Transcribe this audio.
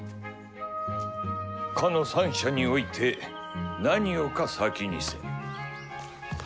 「斯の三者に於いて何をか先にせん」。